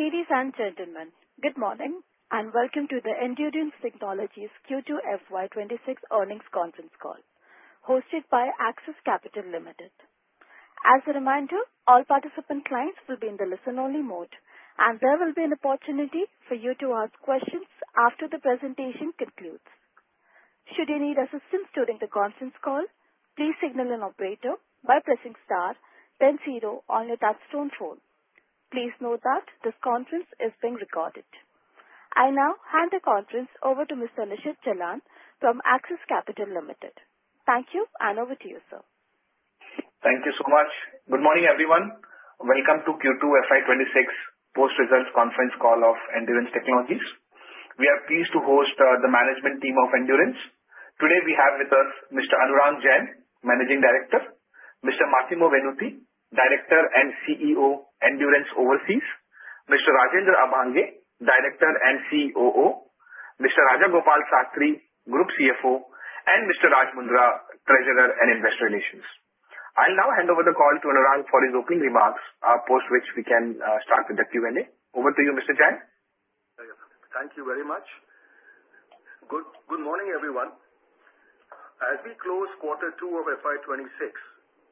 Ladies and gentlemen, good morning and welcome to the Endurance Technologies quarter two FY 2026 Earnings Conference Call, hosted by Axis Capital Limited. As a reminder, all participant clients will be in the listen-only mode, and there will be an opportunity for you to ask questions after the presentation concludes. Should you need assistance during the conference call, please signal an operator by pressing star then zero on your touch-tone phone. Please note that this conference is being recorded. I now hand the conference over to Mr. Nishit Jalan from Axis Capital Limited. Thank you, and over to you, sir. Thank you so much. Good morning, everyone. Welcome to quarter two FY 2026 Post-Results Conference Call of Endurance Technologies. We are pleased to host the management team of Endurance. Today, we have with us Mr. Anurang Jain, Managing Director, Mr. Massimo Venuti, Director and CEO, Endurance Overseas, Mr. Rajendra Abhange, Director and COO, Mr. Raja Gopal Sastry, Group CFO, and Mr. Raj Mundra, Treasurer and Investor Relations. I'll now hand over the call to Anurang for his opening remarks, after which we can start with the Q&A. Over to you, Mr. Jain. Thank you very much. Good morning, everyone. As we close quarter two of FY 2026,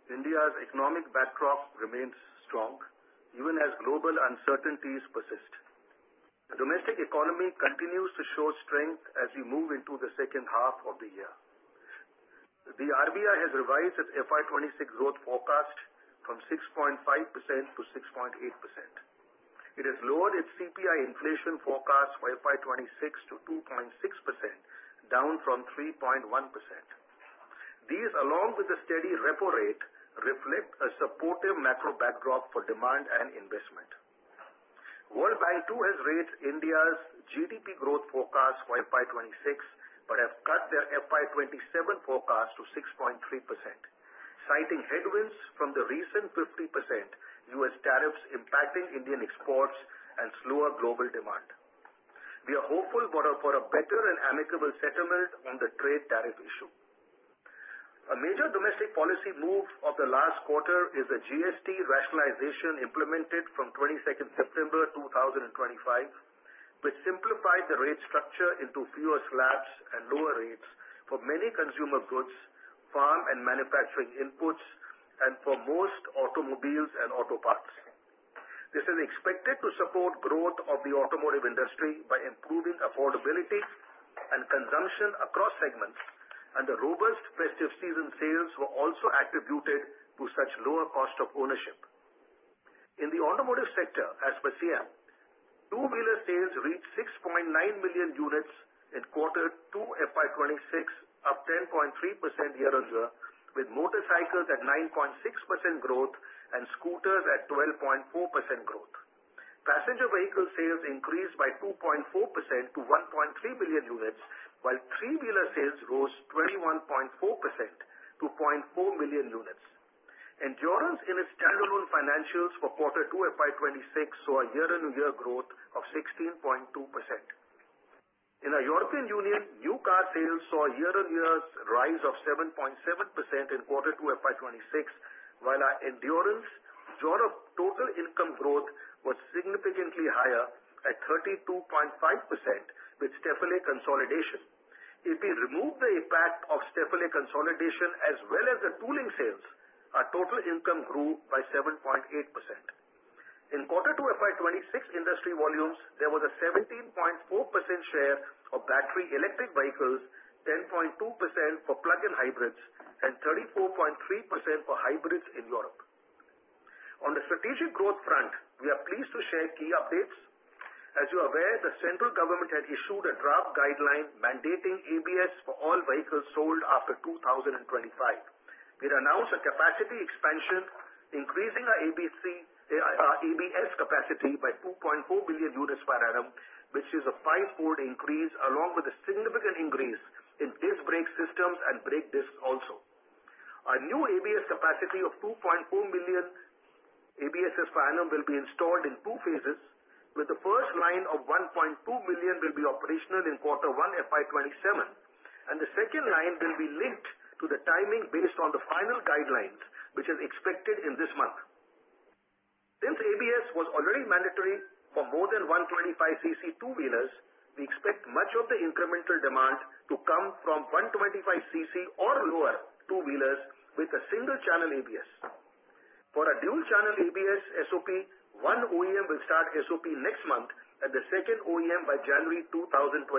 India's economic backdrop remains strong, even as global uncertainties persist. The domestic economy continues to show strength as we move into the second half of the year. The RBI has revised its FY 2026 growth forecast from 6.5%-6.8%. It has lowered its CPI inflation forecast for FY 2026 to 2.6%, down from 3.1%. These, along with the steady repo rate, reflect a supportive macro backdrop for demand and investment. World Bank too has raised India's GDP growth forecast for FY 2026, but have cut their FY 2027 forecast to 6.3%, citing headwinds from the recent 50% U.S. tariffs impacting Indian exports and slower global demand. We are hopeful for a better and amicable settlement on the trade tariff issue. A major domestic policy move of the last quarter is the GST rationalization implemented from 22nd September 2025, which simplified the rate structure into fewer slabs and lower rates for many consumer goods, farm and manufacturing inputs, and for most automobiles and auto parts. This is expected to support growth of the automotive industry by improving affordability and consumption across segments, and the robust festive season sales were also attributed to such lower cost of ownership. In the automotive sector, as per SIAM, two-wheeler sales reached 6.9 million units in quarter two FY 2026, up 10.3% year-on-year, with motorcycles at 9.6% growth and scooters at 12.4% growth. Passenger vehicle sales increased by 2.4% to 1.3 million units, while three-wheeler sales rose 21.4% to 0.4 million units. Endurance in its standalone financials for quarter two FY 2026 saw a year-on-year growth of 16.2%. In the European Union, new car sales saw a year-on-year rise of 7.7% in quarter two FY 2026, while at Endurance Europe, total income growth was significantly higher at 32.5%, with Stöferle consolidation. If we remove the impact of Stöferle consolidation as well as the tooling sales, total income grew by 7.8%. In quarter two FY 2026 industry volumes, there was a 17.4% share of battery electric vehicles, 10.2% for plug-in hybrids, and 34.3% for hybrids in Europe. On the strategic growth front, we are pleased to share key updates. As you are aware, the central government had issued a draft guideline mandating ABS for all vehicles sold after 2025. It announced a capacity expansion, increasing ABS capacity by 2.4 million units per annum, which is a five-fold increase, along with a significant increase in disc brake systems and brake discs also. A new ABS capacity of 2.4 million ABSs per annum will be installed in two phases, with the first line of 1.2 million will be operational in quarter one FY 2027, and the second line will be linked to the timing based on the final guidelines, which is expected in this month. Since ABS was already mandatory for more than 125cc two-wheelers, we expect much of the incremental demand to come from 125cc or lower two-wheelers with a single-channel ABS. For a dual-channel ABS SOP, one OEM will start SOP next month, and the second OEM by January 2026.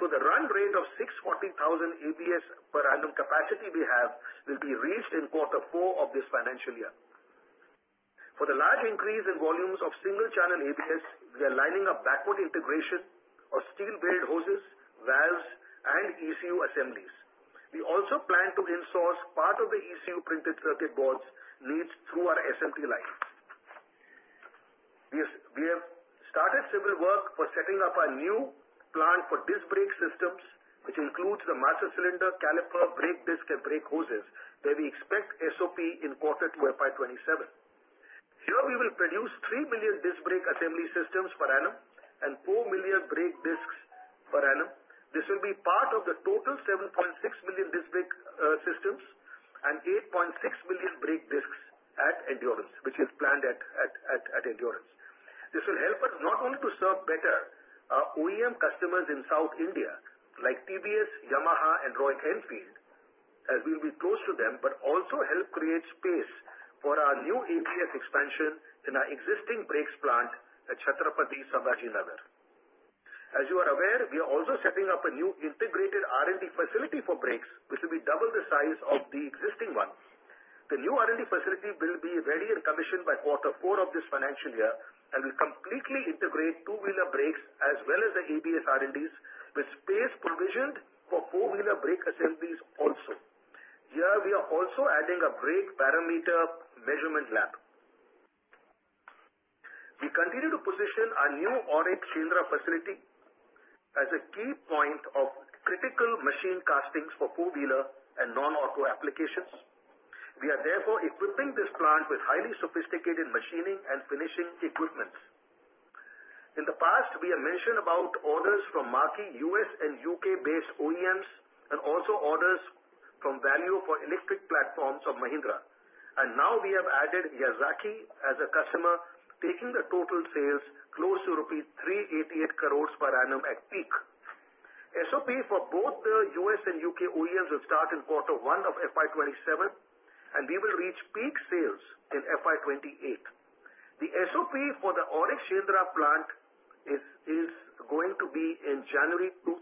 So the run rate of 640,000 ABS per annum capacity we have will be reached in quarter four of this financial year. For the large increase in volumes of single-channel ABS, we are lining up backward integration of steel-braided hoses, valves, and ECU assemblies. We also plan to insource part of the ECU printed circuit boards needs through our SMT line. We have started civil work for setting up a new plant for disc brake systems, which includes the master cylinder, caliper, brake disc, and brake hoses, where we expect SOP in quarter two FY 2027. Here we will produce 3 million disc brake assembly systems per annum and 4 million brake discs per annum. This will be part of the total 7.6 million disc brake systems and 8.6 million brake discs at Endurance, which is planned at Endurance. This will help us not only to serve better OEM customers in South India like TVS, Yamaha, and Royal Enfield, as we will be close to them, but also help create space for our new ABS expansion in our existing brakes plant at Chhatrapati Sambhajinagar. As you are aware, we are also setting up a new integrated R&D facility for brakes, which will be double the size of the existing one. The new R&D facility will be ready and commissioned by quarter four of this financial year and will completely integrate two-wheeler brakes as well as the ABS R&Ds, with space provisioned for four-wheeler brake assemblies also. Here we are also adding a brake dynamometer measurement lab. We continue to position our new AURIC Shendra facility as a key point of critical machined castings for four-wheeler and non-auto applications. We are therefore equipping this plant with highly sophisticated machining and finishing equipment. In the past, we have mentioned about orders from marquee U.S. and U.K.-based OEMs and also orders from Valeo for electric platforms of Mahindra. Now we have added Yazaki as a customer, taking the total sales close to rupees 388 crores per annum at peak. SOP for both the U.S. and U.K. OEMs will start in quarter one of FY 2027, and we will reach peak sales in FY 2028. The SOP for the AURIC Shendra plant is going to be in January 2026.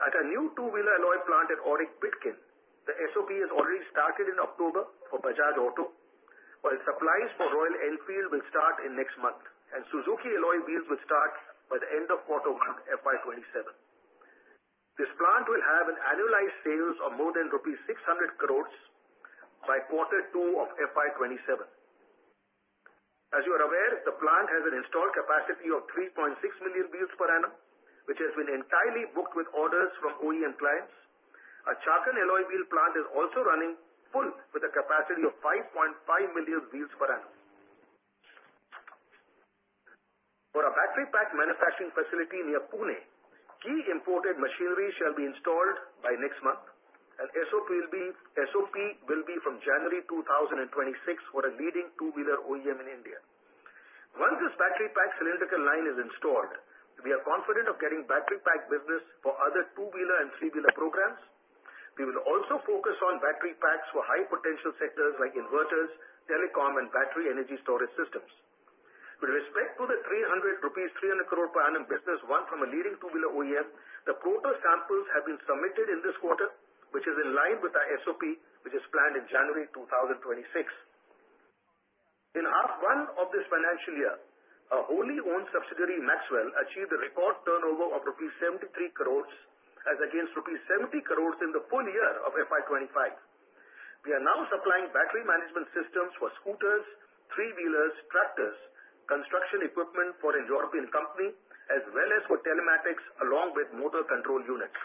At a new two-wheeler alloy plant at AURIC Bidkin, the SOP has already started in October for Bajaj Auto, while supplies for Royal Enfield will start in next month, and Suzuki alloy wheels will start by the end of quarter one FY 2027. This plant will have annualized sales of more than rupees 600 crores by quarter two of FY 2027. As you are aware, the plant has an installed capacity of 3.6 million wheels per annum, which has been entirely booked with orders from OEM clients. A Chakan alloy wheel plant is also running full with a capacity of 5.5 million wheels per annum. For a battery pack manufacturing facility near Pune, key imported machinery shall be installed by next month, and SOP will be from January 2026 for a leading two-wheeler OEM in India. Once this battery pack cylindrical line is installed, we are confident of getting battery pack business for other two-wheeler and three-wheeler programs. We will also focus on battery packs for high-potential sectors like inverters, telecom, and battery energy storage systems. With respect to the 300 crore rupees per annum business won from a leading two-wheeler OEM, the proto samples have been submitted in this quarter, which is in line with our SOP, which is planned in January 2026. In half one of this financial year, a wholly-owned subsidiary, Maxwell, achieved a record turnover of rupees 73 crores, as against rupees 70 crores in the full year of FY 2025. We are now supplying battery management systems for scooters, three-wheelers, tractors, construction equipment for a European company, as well as for telematics, along with motor control units.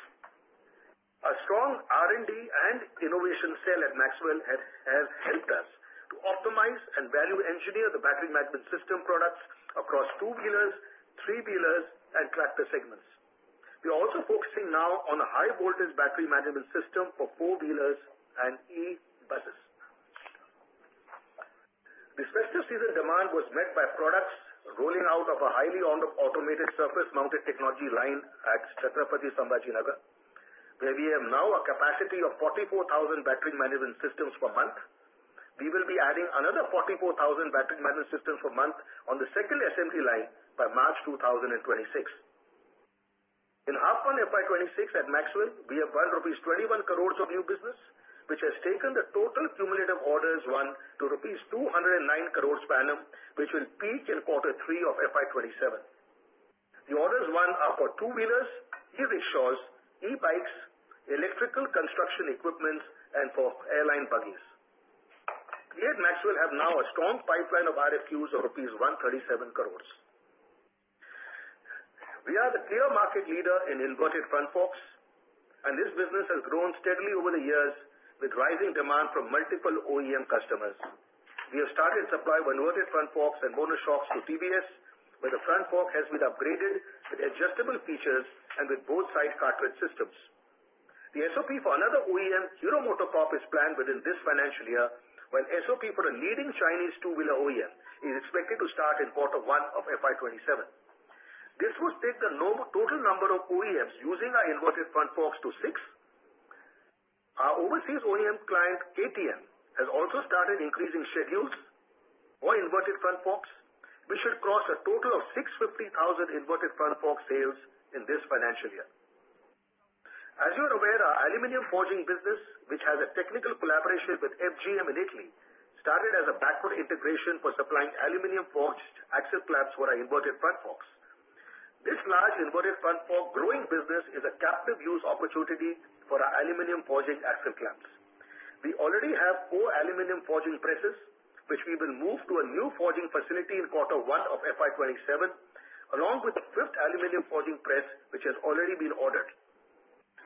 A strong R&D and innovation cell at Maxwell has helped us to optimize and value engineer the battery management system products across two-wheelers, three-wheelers, and tractor segments. We are also focusing now on a high-voltage battery management system for four-wheelers and e-buses. The festival season demand was met by products rolling out of a highly automated surface-mount technology line at Chhatrapati Sambhajinagar, where we have now a capacity of 44,000 battery management systems per month. We will be adding another 44,000 battery management systems per month on the second SMT line by March 2026. In half one FY 2026 at Maxwell, we have won rupees 21 crores of new business, which has taken the total cumulative orders won to rupees 209 crores per annum, which will peak in quarter three of FY 2027. The orders won are for two-wheelers, e-rickshaws, e-bikes, electrical construction equipments, and for airline buggies. We at Maxwell have now a strong pipeline of RFQs of rupees 137 crores. We are the clear market leader in inverted front forks, and this business has grown steadily over the years with rising demand from multiple OEM customers. We have started supply of inverted front forks and mono shocks to TVS, where the front fork has been upgraded with adjustable features and with both-side cartridge systems. The SOP for another OEM, Hero MotoCorp, is planned within this financial year, while SOP for a leading Chinese two-wheeler OEM is expected to start in quarter one of FY 2027. This would take the total number of OEMs using our inverted front forks to six. Our overseas OEM client, KTM, has also started increasing schedules for inverted front forks, which should cross a total of 650,000 inverted front fork sales in this financial year. As you are aware, our aluminum forging business, which has a technical collaboration with FGM in Italy, started as a backward integration for supplying aluminum forged axle clamps for our inverted front forks. This large inverted front fork growing business is a captive use opportunity for our aluminum forging axle clamps. We already have four aluminum forging presses, which we will move to a new forging facility in quarter one of FY 2027, along with the fifth aluminum forging press, which has already been ordered.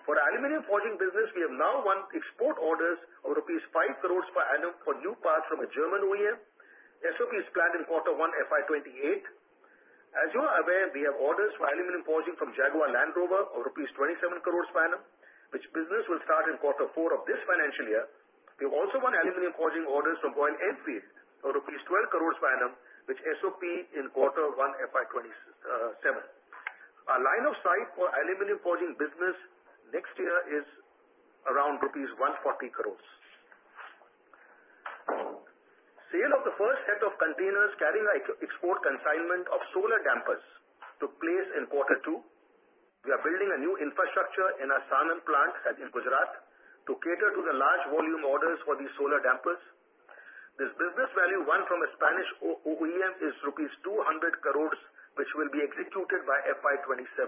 For our aluminum forging business, we have now won export orders of rupees 5 crores per annum for new parts from a German OEM. SOP is planned in quarter one FY 2028. As you are aware, we have orders for aluminum forging from Jaguar Land Rover of rupees 27 crores per annum, which business will start in quarter four of this financial year. We have also won aluminum forging orders from Royal Enfield of rupees 12 crores per annum, which SOP in quarter one FY 2027. Our line of sight for aluminum forging business next year is around rupees 140 crores. Sale of the first set of containers carrying export consignment of solar dampers to place in quarter two. We are building a new infrastructure in our Sanand plant in Gujarat to cater to the large volume orders for these solar dampers. This business value won from a Spanish OEM is rupees 200 crores, which will be executed by FY 2027.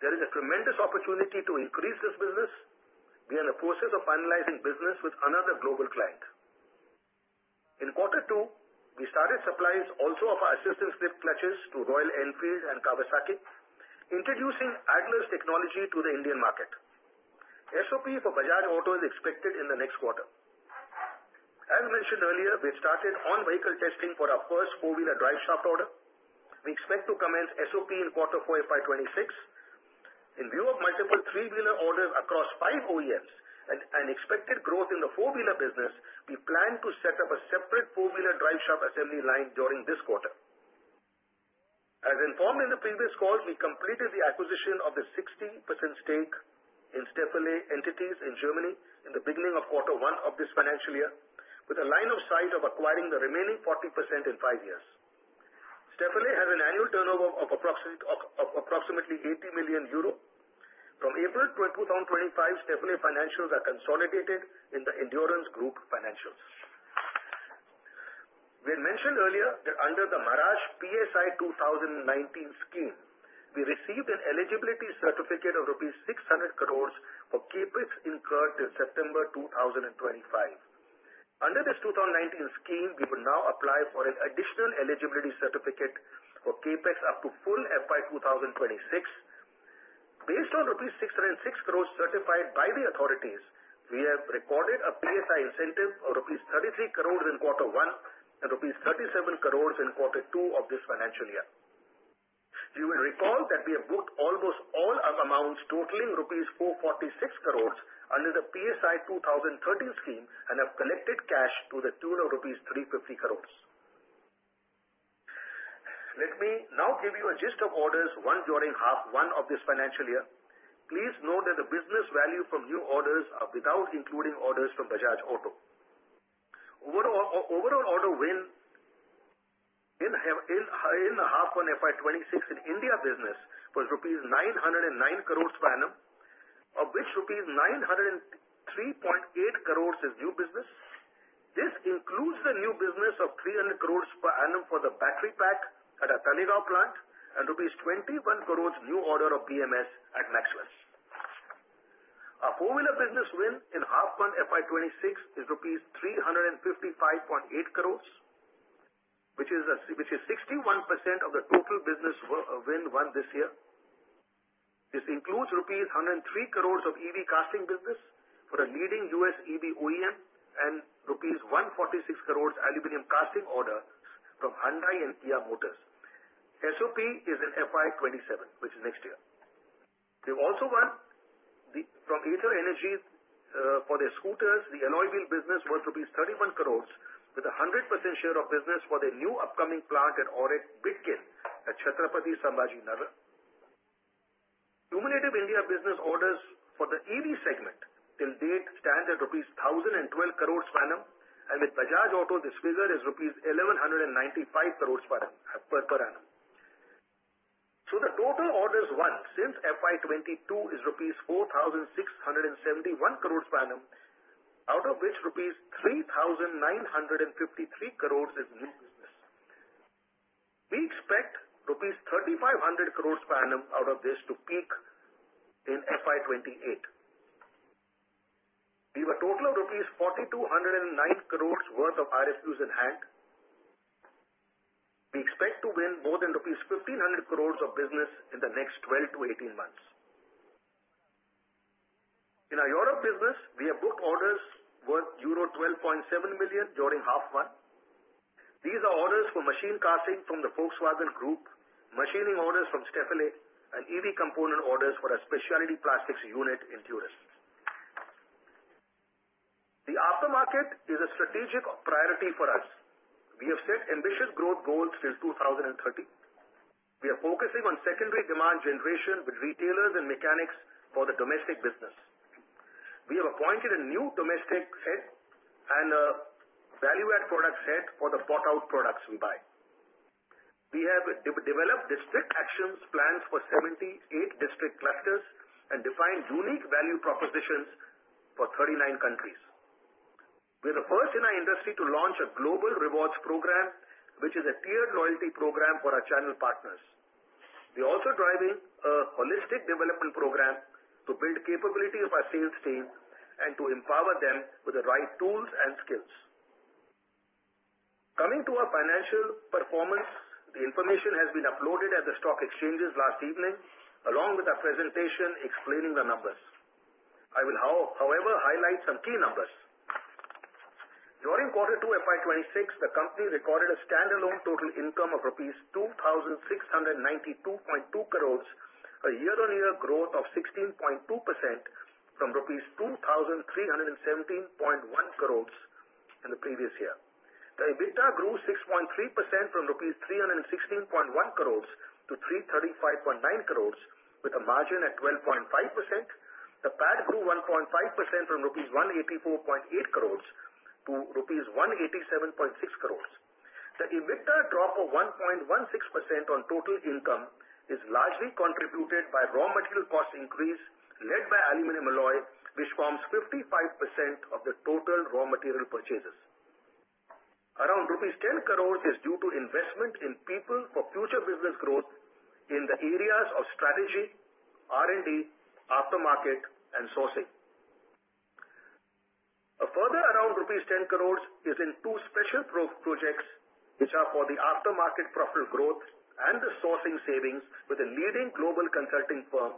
There is a tremendous opportunity to increase this business. We are in the process of finalizing business with another global client. In quarter two, we started supplies also of our assist and slipper clutches to Royal Enfield and Kawasaki, introducing assist and slipper technology to the Indian market. SOP for Bajaj Auto is expected in the next quarter. As mentioned earlier, we have started on-vehicle testing for our first four-wheeler driveshaft order. We expect to commence SOP in quarter four FY 2026. In view of multiple three-wheeler orders across five OEMs and expected growth in the four-wheeler business, we plan to set up a separate four-wheeler driveshaft assembly line during this quarter. As informed in the previous calls, we completed the acquisition of the 60% stake in Stöferle entities in Germany in the beginning of quarter one of this financial year, with a line of sight of acquiring the remaining 40% in five years. Stöferle has an annual turnover of approximately 80 million euro. From April 2025, Stöferle financials are consolidated in the Endurance Group financials. We had mentioned earlier that under the Maharashtra PSI 2019 scheme, we received an eligibility certificate of rupees 600 crores for CapEx incurred in September 2025. Under this 2019 scheme, we will now apply for an additional eligibility certificate for CapEx up to full FY 2026. Based on rupees 606 crores certified by the authorities, we have recorded a PSI incentive of rupees 33 crores in quarter one and rupees 37 crores in quarter two of this financial year. You will recall that we have booked almost all amounts totaling rupees 446 crores under the PSI 2013 scheme and have collected cash to the tune of rupees 350 crores. Let me now give you a gist of orders won during half one of this financial year. Please note that the business value from new orders is without including orders from Bajaj Auto. Overall order win in half one FY 2026 in India business was rupees 909 crores per annum, of which rupees 903.8 crores is new business. This includes the new business of 300 crores per annum for the battery pack at a Talegaon plant and rupees 21 crores new order of BMS at Maxwell. Our four-wheeler business win in half one FY 2026 is rupees 355.8 crores, which is 61% of the total business win won this year. This includes rupees 103 crores of EV casting business for a leading U.S. EV OEM and rupees 146 crores aluminum casting order from Hyundai and Kia Motors. SOP is in FY 2027, which is next year. We have also won from Ather Energy for their scooters. The alloy wheel business was INR 31 crores, with a 100% share of business for their new upcoming plant at AURIC Bidkin at Chhatrapati Sambhajinagar. Cumulative India business orders for the EV segment till date stand at rupees 1,012 crores per annum, and with Bajaj Auto, this figure is rupees 1,195 crores per annum. So the total orders won since FY 2022 is rupees 4,671 crores per annum, out of which rupees 3,953 crores is new business. We expect rupees 3,500 crores per annum out of this to peak in FY 2028. We have a total of rupees 4,209 crores worth of RFQs in hand. We expect to win more than rupees 1,500 crores of business in the next 12 months-18 months. In our Europe business, we have booked orders worth euro 12.7 million during half one. These are orders for machined castings from the Volkswagen Group, machining orders from Stöferle, and EV component orders for a specialty plastics unit in Turin. The aftermarket is a strategic priority for us. We have set ambitious growth goals since 2013. We are focusing on secondary demand generation with retailers and mechanics for the domestic business. We have appointed a new domestic head and a value-add products head for the bought-out products we buy. We have developed district action plans for 78 district clusters and defined unique value propositions for 39 countries. We are the first in our industry to launch a global rewards program, which is a tiered loyalty program for our channel partners. We are also driving a holistic development program to build capability of our sales team and to empower them with the right tools and skills. Coming to our financial performance, the information has been uploaded at the stock exchanges last evening, along with a presentation explaining the numbers. I will, however, highlight some key numbers. During quarter two FY 2026, the company recorded a standalone total income of rupees 2,692.2 crores, a year-on-year growth of 16.2% from rupees 2,317.1 crores in the previous year. The EBITDA grew 6.3% from rupees 316.1 crores to 335.9 crores, with a margin at 12.5%. The PAT grew 1.5% from rupees 184.8 crores to rupees 187.6 crores. The EBITDA drop of 1.16% on total income is largely contributed by raw material cost increase led by aluminum alloy, which forms 55% of the total raw material purchases. Around rupees 10 crores is due to investment in people for future business growth in the areas of strategy, R&D, aftermarket, and sourcing. A further around rupees 10 crores is in two special projects, which are for the aftermarket profit growth and the sourcing savings with a leading global consulting firm,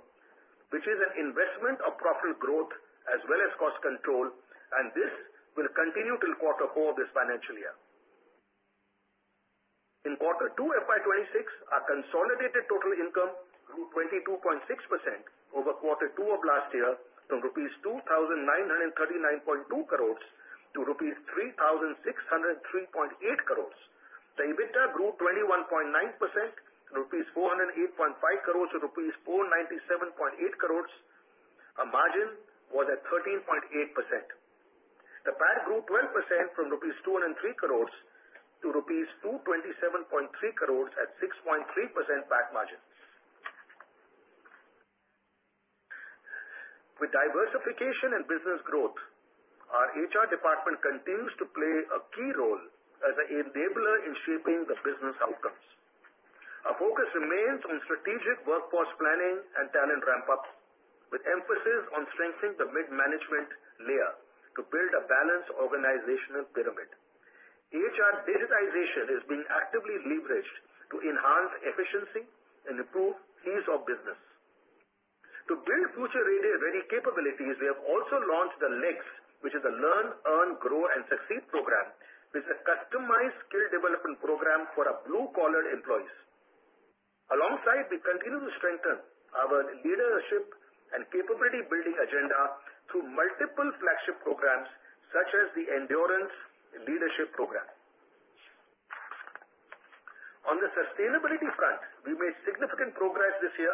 which is an investment of profit growth as well as cost control, and this will continue till quarter four of this financial year. In quarter two FY 2026, our consolidated total income grew 22.6% over quarter two of last year from rupees 2,939.2 crores to rupees 3,603.8 crores. The EBITDA grew 21.9% from rupees 408.5 crores to rupees 497.8 crores. Our margin was at 13.8%. The PAT grew 12% from rupees 203 crores to rupees 227.3 crores at 6.3% PAT margin. With diversification and business growth, our HR department continues to play a key role as an enabler in shaping the business outcomes. Our focus remains on strategic workforce planning and talent ramp-up, with emphasis on strengthening the mid-management layer to build a balanced organizational pyramid. HR digitization is being actively leveraged to enhance efficiency and improve ease of business. To build future ready capabilities, we have also launched the LEGS, which is a Learn, Earn, Grow, and Succeed program, which is a customized skill development program for our blue-collar employees. Alongside, we continue to strengthen our leadership and capability-building agenda through multiple flagship programs such as the Endurance Leadership Program. On the sustainability front, we made significant progress this year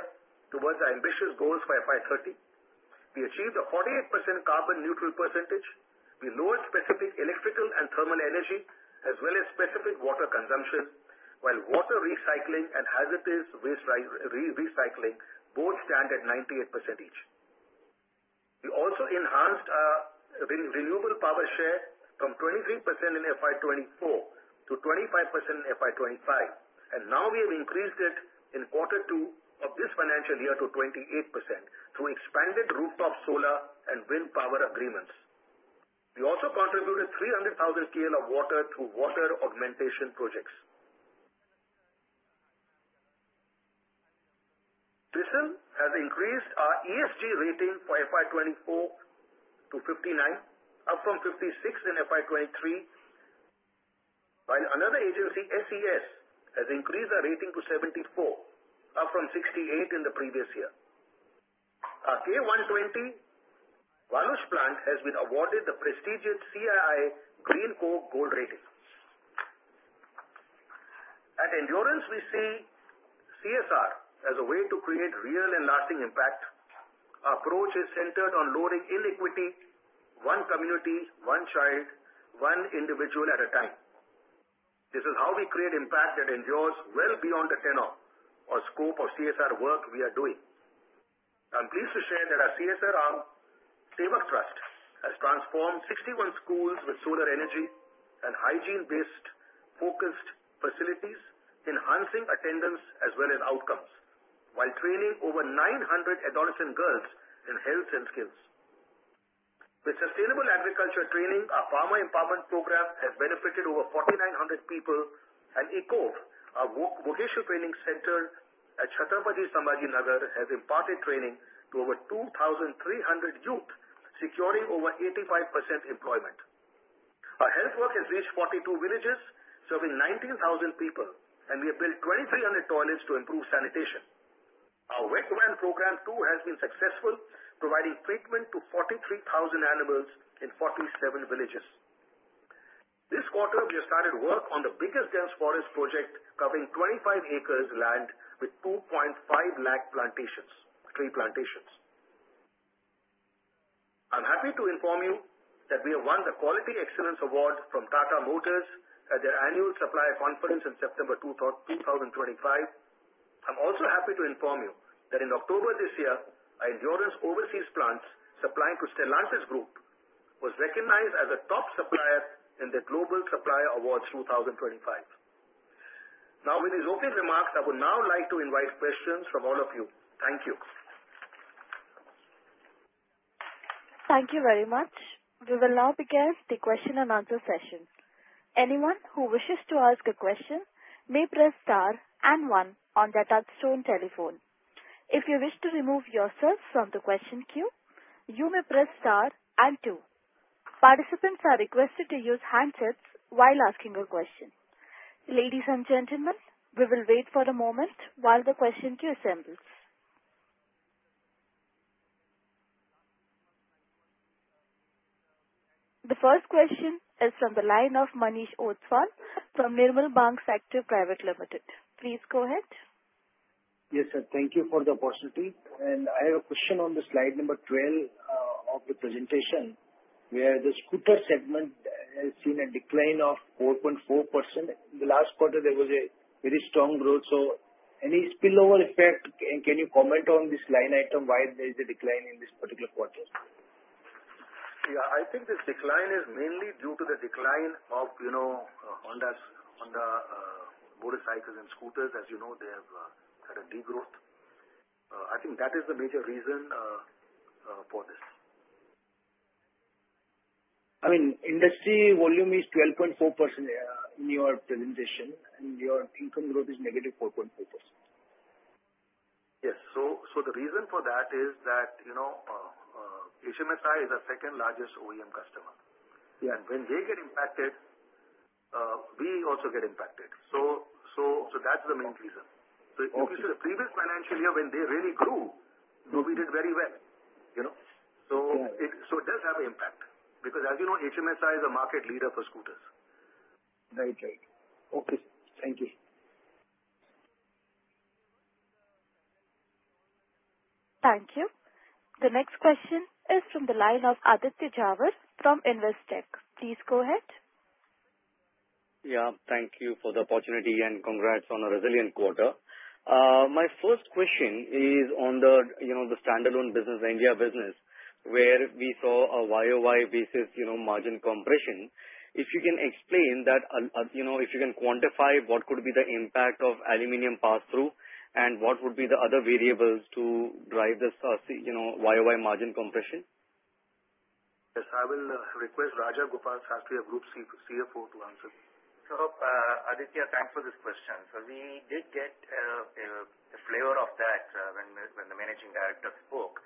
towards our ambitious goals for FY 2030. We achieved a 48% carbon-neutral percentage. We lowered specific electrical and thermal energy as well as specific water consumption, while water recycling and hazardous waste recycling both stand at 98% each. We also enhanced our renewable power share from 23% in FY 2024 to 25% in FY 2025, and now we have increased it in quarter two of this financial year to 28% through expanded rooftop solar and wind power agreements. We also contributed 300,000 KL of water through water augmentation projects. CRISIL has increased our ESG rating for FY 2024 to 59, up from 56 in FY 2023, while another agency, SES, has increased our rating to 74, up from 68 in the previous year. Our K-120 Waluj plant has been awarded the prestigious CII GreenCo Gold rating. At Endurance, we see CSR as a way to create real and lasting impact. Our approach is centered on lowering inequity: one community, one child, one individual at a time. This is how we create impact that endures well beyond the tenor or scope of CSR work we are doing. I'm pleased to share that our CSR arm, Sevak Trust, has transformed 61 schools with solar energy and hygiene-based focused facilities, enhancing attendance as well as outcomes, while training over 900 adolescent girls in health and skills. With sustainable agriculture training, our farmer empowerment program has benefited over 4,900 people, and ECoVE, our vocational training center at Chhatrapati Sambhajinagar, has imparted training to over 2,300 youth, securing over 85% employment. Our health work has reached 42 villages, serving 19,000 people, and we have built 2,300 toilets to improve sanitation. Our Vet van program too has been successful, providing treatment to 43,000 animals in 47 villages. This quarter, we have started work on the biggest dense forest project covering 25 acres land with 2.5 lakh tree plantations. I'm happy to inform you that we have won the Quality Excellence Award from Tata Motors at their annual supplier conference in September 2025. I'm also happy to inform you that in October this year, our Endurance Overseas plants supplying to Stellantis Group was recognized as a top supplier in the Global Supplier Awards 2025. Now, with these opening remarks, I would now like to invite questions from all of you. Thank you. Thank you very much. We will now begin the question and answer session. Anyone who wishes to ask a question may press star and one on the touch-tone telephone. If you wish to remove yourself from the question queue, you may press star and two. Participants are requested to use handsets while asking a question. Ladies and gentlemen, we will wait for a moment while the question queue assembles. The first question is from the line of Manish Ostwal from Nirmal Bang Securities Private Limited. Please go ahead. Yes, sir. Thank you for the opportunity, and I have a question on the slide number 12 of the presentation where the scooter segment has seen a decline of 4.4%. In the last quarter, there was a very strong growth. So, any spillover effect, and can you comment on this line item why there is a decline in this particular quarter? Yeah, I think this decline is mainly due to the decline of Honda motorcycles and scooters. As you know, they have had a degrowth. I think that is the major reason for this. I mean, industry volume is 12.4% in your presentation, and your income growth is negative 4.4%. Yes. So the reason for that is that HMSI is our second largest OEM customer. And when they get impacted, we also get impacted. So that's the main reason. So if you see the previous financial year when they really grew, we did very well. So it does have an impact because, as you know, HMSI is a market leader for scooters. Right, right. Okay. Thank you. Thank you. The next question is from the line of Aditya Jhawar from Investec. Please go ahead. Yeah, thank you for the opportunity and congrats on a resilient quarter. My first question is on the standalone business, the India business, where we saw a YoY basis margin compression. If you can explain that, if you can quantify what could be the impact of aluminum pass-through and what would be the other variables to drive this YoY margin compression? Yes, I will request Raja Gopal Sastry, our Group CFO, to answer. So, Aditya, thanks for this question. So we did get a flavor of that when the Managing Director spoke.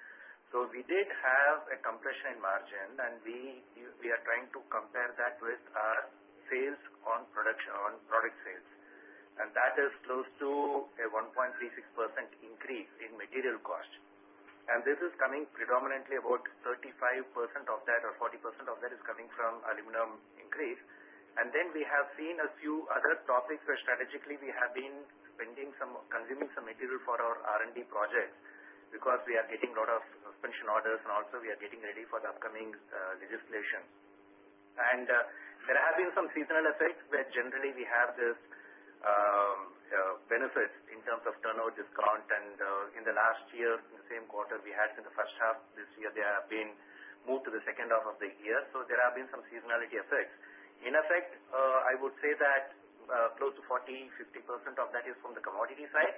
So we did have a compression in margin, and we are trying to compare that with our sales on production, on product sales. And that is close to a 1.36% increase in material cost. And this is coming predominantly; about 35% of that or 40% of that is coming from aluminum increase. And then we have seen a few other topics where strategically we have been spending some consuming some material for our R&D projects because we are getting a lot of suspension orders, and also we are getting ready for the upcoming legislation. And there have been some seasonal effects where generally we have this benefit in terms of turnover discount. In the last year, in the same quarter we had in the first half this year, there have been moved to the second half of the year. There have been some seasonality effects. In effect, I would say that close to 40%, 50% of that is from the commodity side.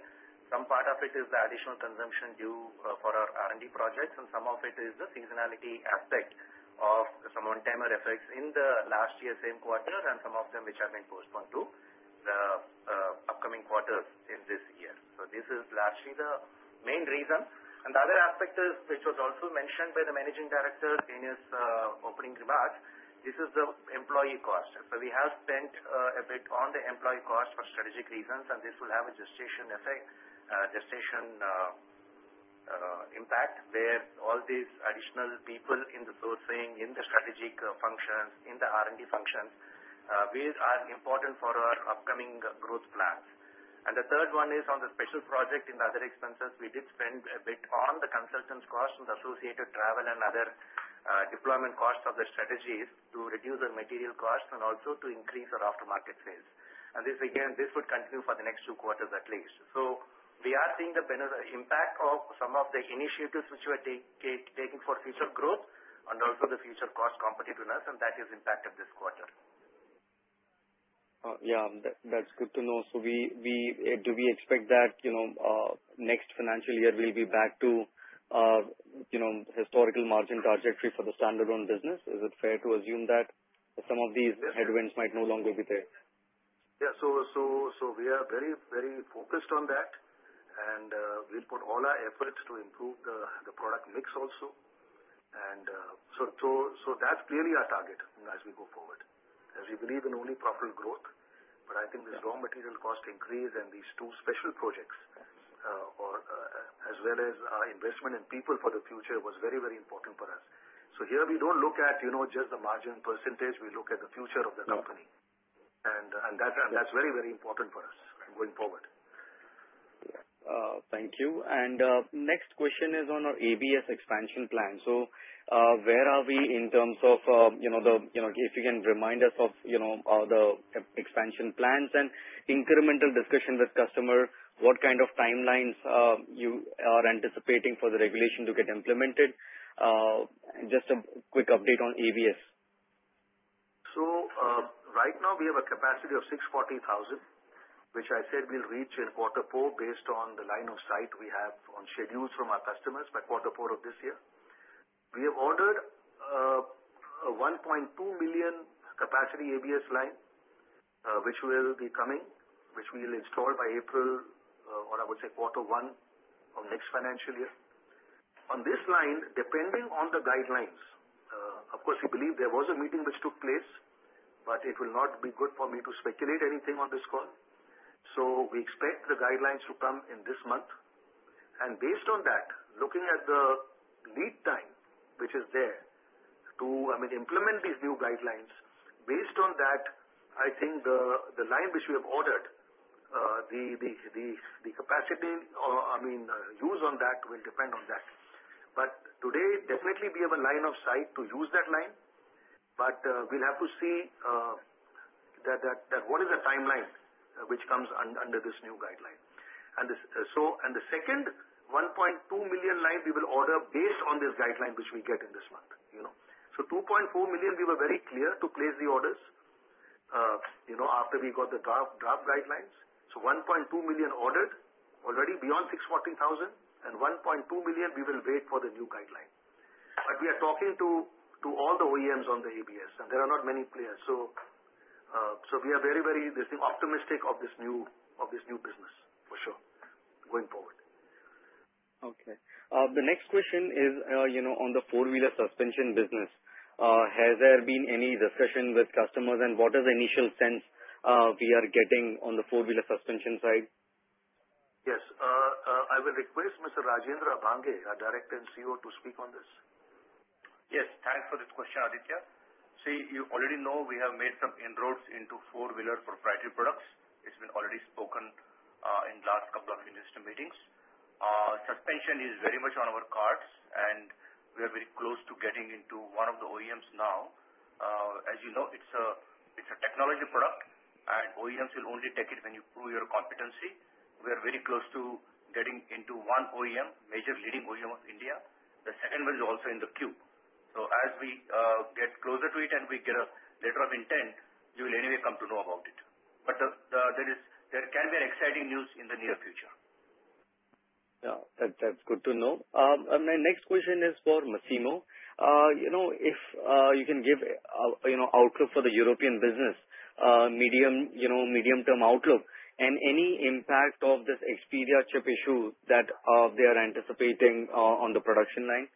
Some part of it is the additional consumption due for our R&D projects, and some of it is the seasonality aspect of some on-timer effects in the last year, same quarter, and some of them which have been postponed to the upcoming quarters in this year. This is largely the main reason. The other aspect is which was also mentioned by the Managing Director in his opening remarks, this is the employee cost. So we have spent a bit on the employee cost for strategic reasons, and this will have a gestation effect, gestation impact where all these additional people in the sourcing, in the strategic functions, in the R&D functions will be important for our upcoming growth plans. And the third one is on the special project in the other expenses. We did spend a bit on the consultants' costs and associated travel and other deployment costs of the strategies to reduce the material costs and also to increase our aftermarket sales. And this, again, this would continue for the next two quarters at least. So we are seeing the impact of some of the initiatives which we are taking for future growth and also the future cost competitiveness, and that has impacted this quarter. Yeah, that's good to know. So do we expect that next financial year we'll be back to historical margin trajectory for the standalone business? Is it fair to assume that some of these headwinds might no longer be there? Yeah. So we are very, very focused on that, and we'll put all our efforts to improve the product mix also. And so that's clearly our target as we go forward. As we believe in only profit growth, but I think this raw material cost increase and these two special projects as well as our investment in people for the future was very, very important for us. So here we don't look at just the margin percentage, we look at the future of the company. And that's very, very important for us going forward. Thank you, and next question is on our ABS expansion plan, so where are we in terms of the, if you can remind us of the expansion plans and incremental discussion with customer, what kind of timelines you are anticipating for the regulation to get implemented? Just a quick update on ABS. So right now we have a capacity of 640,000, which I said we'll reach in quarter four based on the line of sight we have on schedules from our customers by quarter four of this year. We have ordered a 1.2 million capacity ABS line, which will be coming, which we will install by April or I would say quarter one of next financial year. On this line, depending on the guidelines, of course we believe there was a meeting which took place, but it will not be good for me to speculate anything on this call. So we expect the guidelines to come in this month. And based on that, looking at the lead time which is there to, I mean, implement these new guidelines, based on that, I think the line which we have ordered, the capacity, I mean, use on that will depend on that. But today, definitely we have a line of sight to use that line, but we'll have to see what is the timeline which comes under this new guideline. And the second 1.2 million line we will order based on this guideline which we get in this month. So 2.4 million, we were very clear to place the orders after we got the draft guidelines. So 1.2 million ordered already beyond 640,000, and 1.2 million we will wait for the new guideline. But we are talking to all the OEMs on the ABS, and there are not many players. So we are very, very optimistic of this new business for sure going forward. Okay. The next question is on the four-wheeler suspension business. Has there been any discussion with customers, and what is the initial sense we are getting on the four-wheeler suspension side? Yes. I will request Mr. Rajendra Abhange, our Director and CEO, to speak on this. Yes. Thanks for this question, Aditya. See, you already know we have made some inroads into four-wheeler proprietary products. It's been already spoken in the last couple of management meetings. Suspension is very much on our cards, and we are very close to getting into one of the OEMs now. As you know, it's a technology product, and OEMs will only take it when you prove your competency. We are very close to getting into one OEM, major leading OEM of India. The second one is also in the queue. So as we get closer to it and we get a letter of intent, you will anyway come to know about it. But there can be exciting news in the near future. Yeah. That's good to know. And my next question is for Massimo. If you can give outlook for the European business, medium-term outlook, and any impact of this chip shortage issue that they are anticipating on the production line?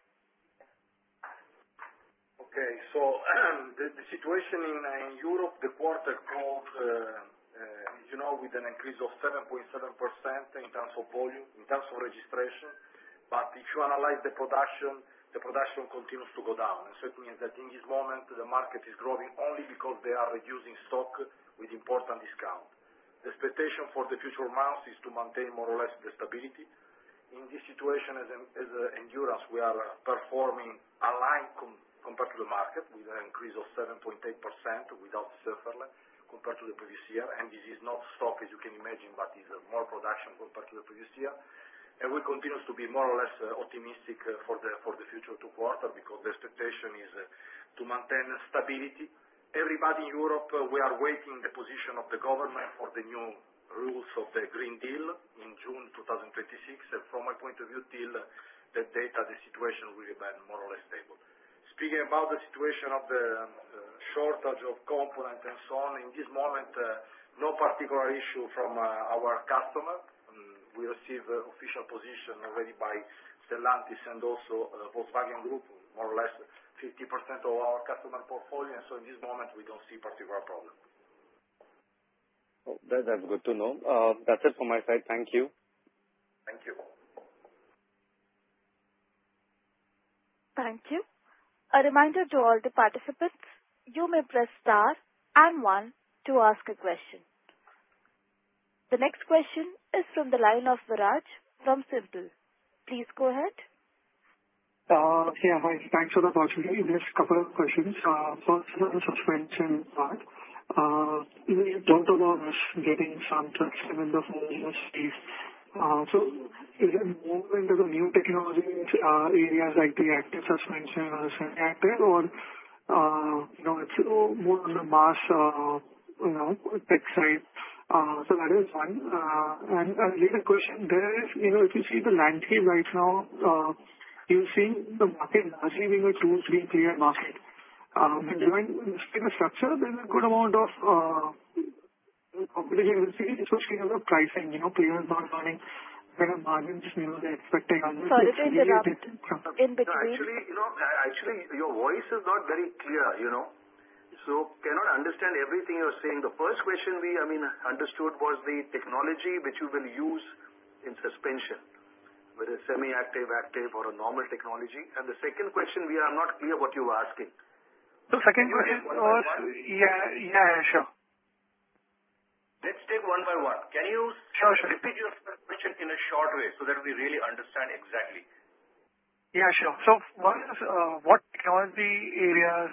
Okay. So the situation in Europe, the quarter closed with an increase of 7.7% in terms of volume, in terms of registration. But if you analyze the production, the production continues to go down. And so it means that in this moment, the market is growing only because they are reducing stock with important discount. The expectation for the future months is to maintain more or less the stability. In this situation, as Endurance, we are performing aligned compared to the market with an increase of 7.8% without suffer compared to the previous year. And this is not stock, as you can imagine, but it's more production compared to the previous year. And we continue to be more or less optimistic for the future two quarters because the expectation is to maintain stability. Everybody in Europe, we are waiting the position of the government for the new rules of the Green Deal in June 2026. From my point of view, till that date, the situation will be more or less stable. Speaking about the situation of the shortage of components and so on, in this moment, no particular issue from our customer. We received official position already by Stellantis and also Volkswagen Group, more or less 50% of our customer portfolio. In this moment, we don't see particular problem. That's good to know. That's it from my side. Thank you. Thank you. Thank you. A reminder to all the participants, you may press star and one to ask a question. The next question is from the line of Viraj from SiMPL. Please go ahead. Yeah, thanks for the opportunity. Just a couple of questions. First, the suspension part. We don't know about us getting. So is it more into the new technology areas like the active suspension or semi-active, or it's more on the mass tech side? So that is one. And a later question, if you see the landscape right now, you've seen the market largely being a two-three-player market. When you're in the structure, there's a good amount of competition. You'll see switching of the pricing. [inaudible] Sorry to interrupt in between. Actually, your voice is not very clear, so we cannot understand everything you're saying. The first question we, I mean, understood was the technology which you will use in suspension, whether semi-active, active, or a normal technology, and the second question, we are not clear what you were asking. The second question was. Yeah, yeah, yeah, sure. Let's take one by one. Can you repeat your question in a short way so that we really understand exactly? Yeah, sure. So what technology areas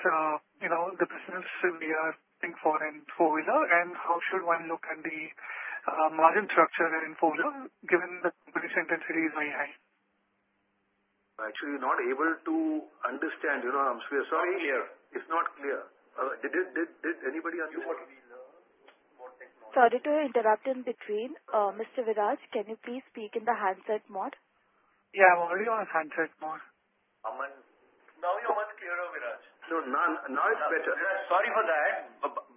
the business we are looking for in four-wheeler, and how should one look at the margin structure in four-wheeler given the company's intensity is very high? Actually, not able to understand. I'm sorry. It's not clear. Did anybody understand? Sorry to interrupt in between. Mr. Viraj, can you please speak in the handset mode? Yeah, I'm already on handset mode. Now you're much clearer, Viraj. Sorry for that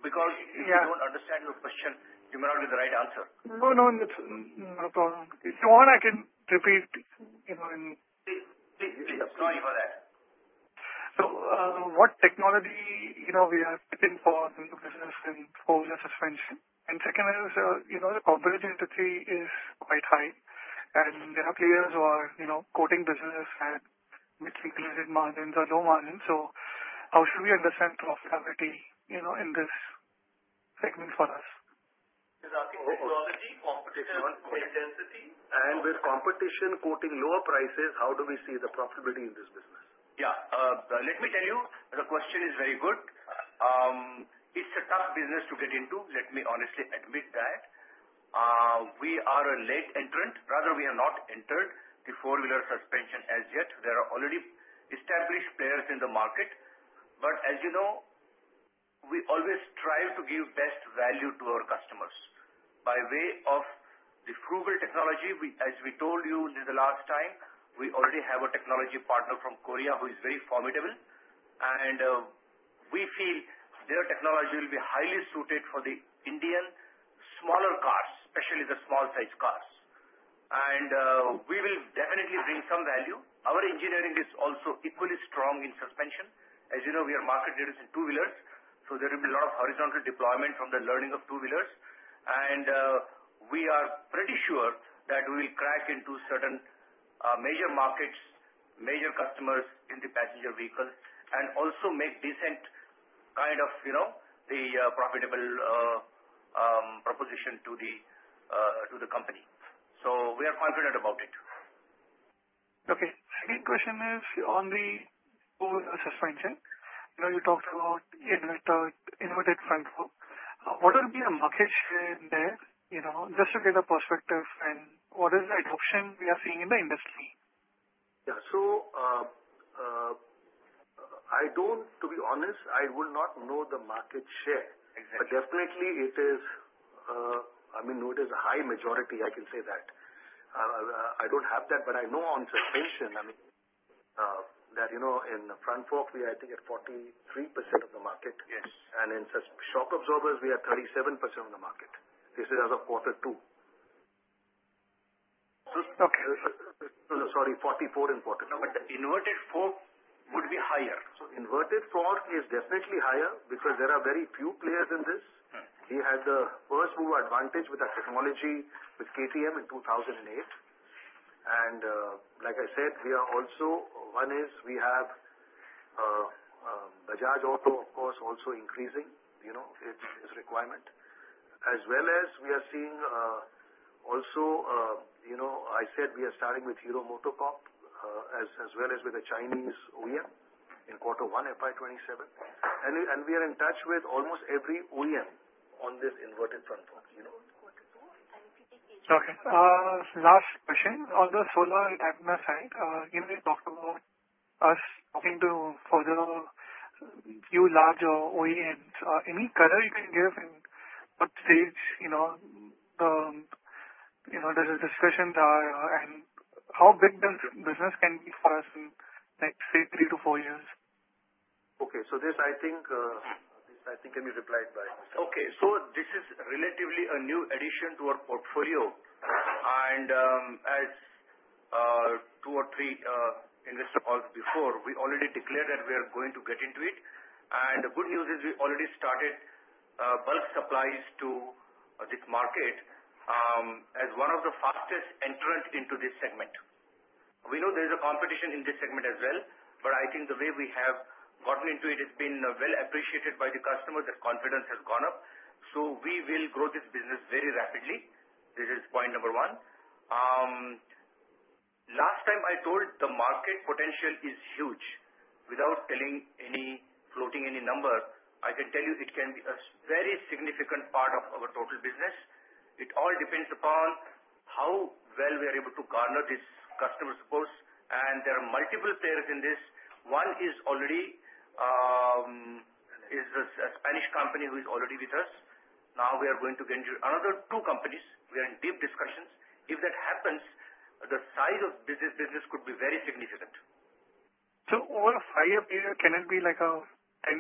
because if you don't understand your question, you may not get the right answer. No, no, no problem. If you want, I can repeat in. Sorry for that. So what technology we are looking for in the business in four-wheeler suspension? And second is the competitive industry is quite high, and there are players who are quoting business at margins or low margins. So how should we understand profitability in this segment for us? With technology, competition, and with competition quoting lower prices, how do we see the profitability in this business? Yeah. Let me tell you, the question is very good. It's a tough business to get into. Let me honestly admit that. We are a late entrant. Rather, we have not entered the four-wheeler suspension as yet. There are already established players in the market, but as you know, we always strive to give best value to our customers by way of the frugal technology. As we told you the last time, we already have a technology partner from Korea who is very formidable, and we feel their technology will be highly suited for the Indian smaller cars, especially the small-sized cars, and we will definitely bring some value. Our engineering is also equally strong in suspension. As you know, we are market leaders in two-wheelers, so there will be a lot of horizontal deployment from the learning of two-wheelers, and we are pretty sure that we will crack into certain major markets, major customers in the passenger vehicle, and also make decent kind of the profitable proposition to the company, so we are confident about it. Okay. The second question is on the four-wheeler suspension. You talked about inverted front forks. What will be the market share in there? Just to get a perspective and what is the adoption we are seeing in the industry? Yeah. So I don't, to be honest, I would not know the market share. But definitely, it is, I mean, it is a high majority. I can say that. I don't have that, but I know on suspension, I mean, that in the front fork, we are, I think, at 43% of the market. And in shock absorbers, we are 37% of the market. This is as of quarter two. Sorry, 44% in quarter two. No, but the inverted fork would be higher. Inverted fork is definitely higher because there are very few players in this. We had the first mover advantage with our technology with KTM in 2008. Like I said, we are also one is we have Bajaj Auto, of course, also increasing its requirement. As well as we are seeing also, I said we are starting with Hero MotoCorp as well as with a Chinese OEM in quarter one, FY 2027. We are in touch with almost every OEM on this inverted front fork. Okay. Last question on the solar damper side. You talked about us looking to further a few larger OEMs. Any color you can give in what stage the discussions are and how big this business can be for us in, say, three to four years? Okay. So this, I think, can be replied by. Okay, so this is relatively a new addition to our portfolio, and as two or three investors called before, we already declared that we are going to get into it, and the good news is we already started bulk supplies to this market as one of the fastest entrants into this segment. We know there is a competition in this segment as well, but I think the way we have gotten into it has been well appreciated by the customers. The confidence has gone up, so we will grow this business very rapidly. This is point number one. Last time I told the market potential is huge. Without quoting any number, I can tell you it can be a very significant part of our total business. It all depends upon how well we are able to garner these customers, of course, and there are multiple players in this. One is already a Spanish company who is already with us. Now we are going to get into another two companies. We are in deep discussions. If that happens, the size of this business could be very significant. So, over a five-year period, can it be like 10%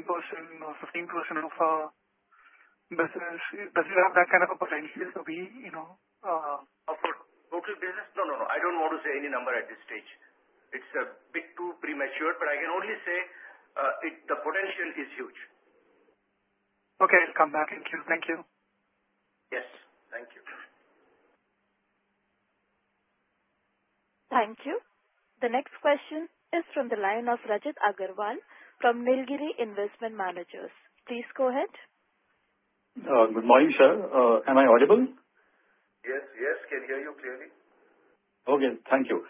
or 15% of our business? Does it have that kind of a potential to be? For total business, no, no, no. I don't want to say any number at this stage. It's a bit too premature, but I can only say the potential is huge. Okay. I'll come back. Thank you. Thank you. Yes. Thank you. Thank you. The next question is from the line of Rajit Aggarwal from Nilgiri Investment Managers. Please go ahead. Good morning, sir. Am I audible? Yes, yes. Can hear you clearly. Okay. Thank you.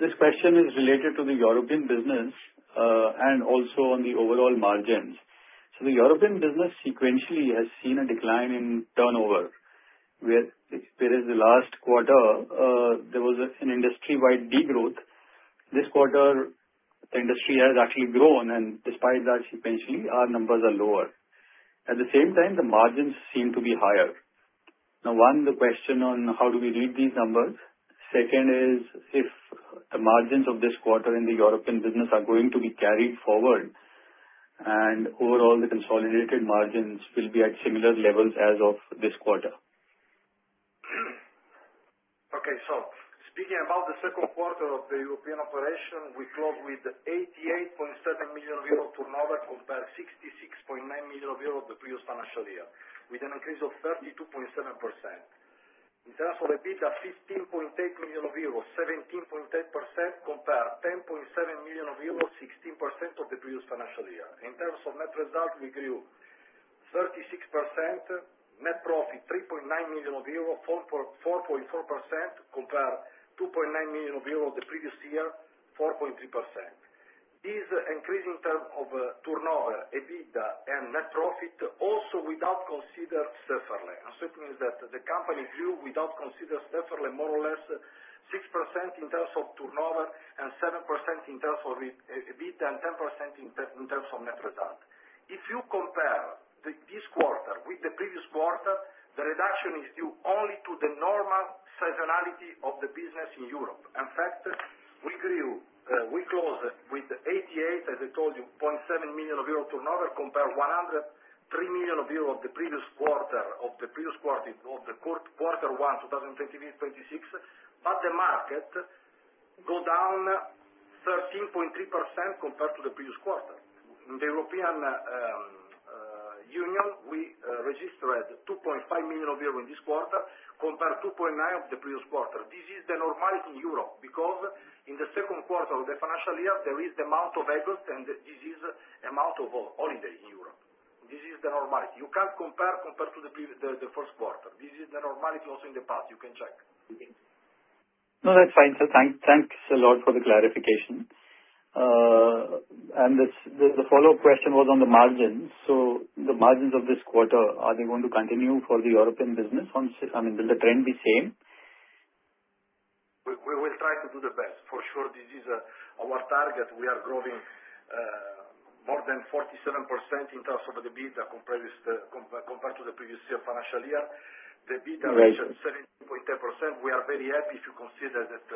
This question is related to the European business and also on the overall margins. So the European business sequentially has seen a decline in turnover. Whereas the last quarter, there was an industry-wide degrowth. This quarter, the industry has actually grown, and despite that, sequentially, our numbers are lower. At the same time, the margins seem to be higher. Now, one, the question on how do we read these numbers. Second is if the margins of this quarter in the European business are going to be carried forward, and overall, the consolidated margins will be at similar levels as of this quarter. Okay. So speaking about the second quarter of the European operation, we closed with 88.7 million euro turnover compared to 66.9 million euro of the previous financial year, with an increase of 32.7%. In terms of EBITDA, 15.8 million euros, 17.8% compared to 10.7 million euros, 16% of the previous financial year. In terms of net result, we grew 36%. Net profit, 3.9 million euro, 4.4% compared to 2.9 million euro the previous year, 4.3%. This increase in terms of turnover, EBITDA, and net profit, also without considering severance, so it means that the company grew without considering severance, more or less 6% in terms of turnover and 7% in terms of EBITDA and 10% in terms of net result. If you compare this quarter with the previous quarter, the reduction is due only to the normal seasonality of the business in Europe. In fact, we grew. We closed with 88, as I told you, 0.7 million euro turnover compared to 103 million euro of the previous quarter of the previous quarter of quarter one, 2023-2026, but the market go down 13.3% compared to the previous quarter. In the European Union, we registered 2.5 million euro in this quarter compared to 2.9 million of the previous quarter. This is the normality in Europe because in the second quarter of the financial year, there is the month of August, and this is the month of holiday in Europe. This is the normality. You can't compare to the first quarter. This is the normality also in the past. You can check. No, that's fine. Thanks a lot for the clarification. And the follow-up question was on the margins. So the margins of this quarter, are they going to continue for the European business? I mean, will the trend be same? We will try to do the best. For sure, this is our target. We are growing more than 47% in terms of the EBITDA compared to the previous financial year. The EBITDA reached 17.8%. We are very happy if you consider that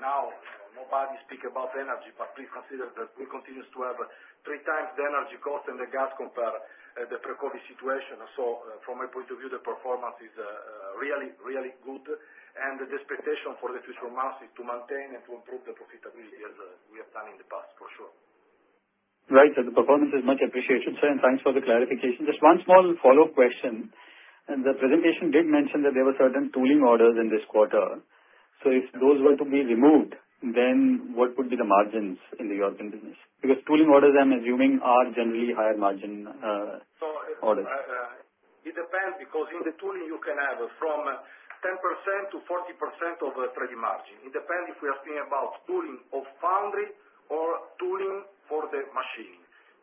now nobody speaks about energy, but please consider that we continue to have three times the energy cost and the gas compared to the pre-COVID situation, so from my point of view, the performance is really, really good, and the expectation for the future months is to maintain and to improve the profitability as we have done in the past, for sure. Right. The performance is much appreciated. Thanks for the clarification. Just one small follow-up question. The presentation did mention that there were certain tooling orders in this quarter. So if those were to be removed, then what would be the margins in the European business? Because tooling orders, I'm assuming, are generally higher margin orders. It depends because in the tooling, you can have from 10%-40% of the trade margin. It depends if we are speaking about tooling of foundry or tooling for the machining.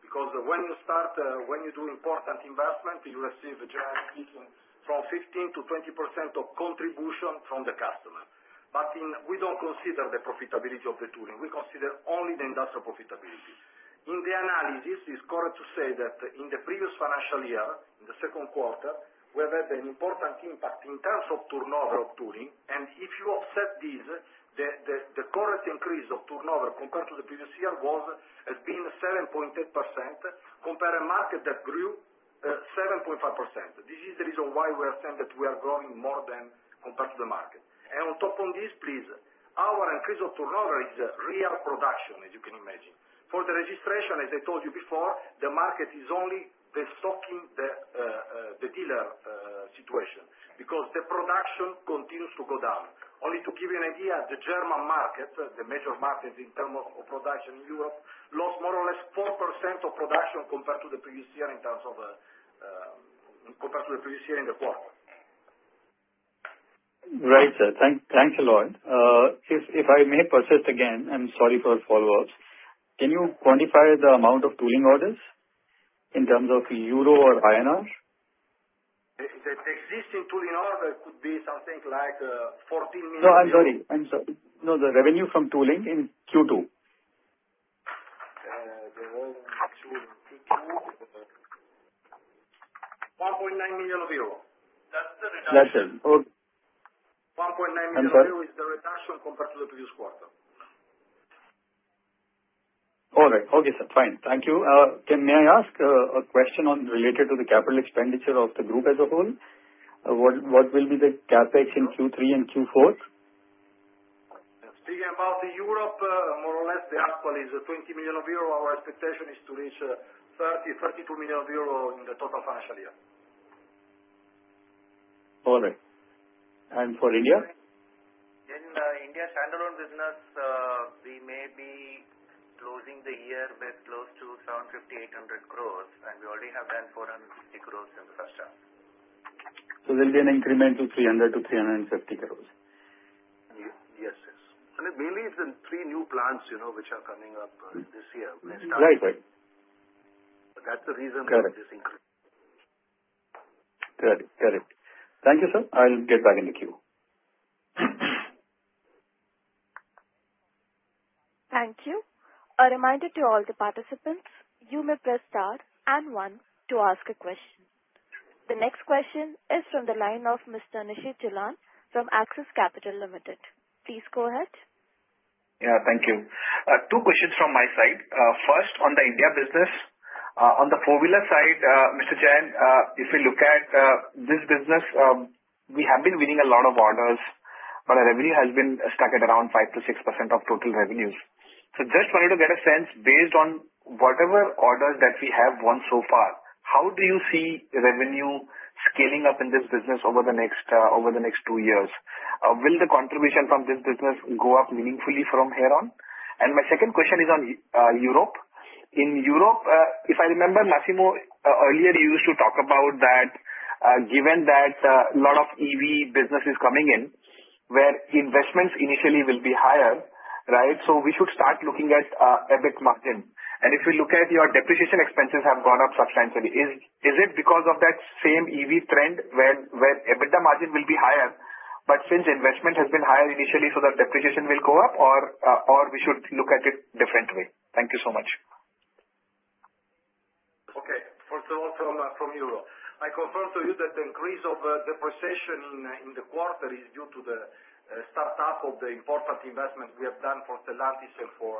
Because when you start, when you do important investment, you receive, generally speaking, from 15%-20% of contribution from the customer. But we don't consider the profitability of the tooling. We consider only the industrial profitability. In the analysis, it's correct to say that in the previous financial year, in the second quarter, we have had an important impact in terms of turnover of tooling, and if you offset this, the current increase of turnover compared to the previous year has been 7.8% compared to a market that grew 7.5%. This is the reason why we are saying that we are growing more than compared to the market. On top of this, please, our increase of turnover is real production, as you can imagine. For the registration, as I told you before, the market is only the stocking, the dealer situation, because the production continues to go down. Only to give you an idea, the German market, the major market in terms of production in Europe, lost more or less 4% of production compared to the previous year in the quarter. Right. Thanks a lot. If I may persist again, I'm sorry for the follow-ups. Can you quantify the amount of tooling orders in terms of EUR or INR? The existing tooling order could be something like 14 million. No, I'm sorry. No, the revenue from tooling in Q2. The revenue in Q2 is EUR 1.9 million. That's the reduction. That's it. Okay. 1.9 million euro is the reduction compared to the previous quarter. All right. Okay, sir. Fine. Thank you. May I ask a question related to the capital expenditure of the group as a whole? What will be the CapEx in Q3 and Q4? Speaking about Europe, more or less, the actual is 20 million euro. Our expectation is to reach 30 million-32 million euro in the total financial year. All right. And for India? In India's standalone business, we may be closing the year with close to 750 crores-800 crores, and we already have done 450 crores in the first half. There'll be an increment of 300 crores-350 crores. Yes, yes. Mainly, it's the three new plants which are coming up this year. Right, right. That's the reason for this increase. Got it. Got it. Thank you, sir. I'll get back into queue. Thank you. A reminder to all the participants, you may press star and one to ask a question. The next question is from the line of Mr. Nishit Jalan from Axis Capital Limited. Please go ahead. Yeah. Thank you. Two questions from my side. First, on the India business. On the four-wheeler side, Mr. Jain, if we look at this business, we have been winning a lot of orders, but our revenue has been stuck at around 5%-6% of total revenues. So just wanted to get a sense based on whatever orders that we have won so far, how do you see revenue scaling up in this business over the next two years? Will the contribution from this business go up meaningfully from here on? And my second question is on Europe. In Europe, if I remember, Massimo, earlier you used to talk about that given that a lot of EV business is coming in where investments initially will be higher, right? So we should start looking at EBIT margin. If we look at your depreciation expenses have gone up substantially, is it because of that same EV trend where EBITDA margin will be higher, but since investment has been higher initially, so the depreciation will go up, or we should look at it differently? Thank you so much. Okay. First of all, from Europe, I confirm to you that the increase of depreciation in the quarter is due to the startup of the important investment we have done for Stellantis and for